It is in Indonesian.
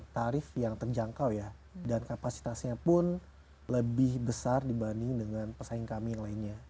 tarif yang terjangkau ya dan kapasitasnya pun lebih besar dibanding dengan pesaing kami yang lainnya